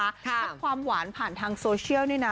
ถ้าความหวานผ่านทางโซเชียลนี่นะ